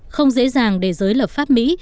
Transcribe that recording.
không dễ dàng để giới lập pháp mỹ